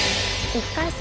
１回戦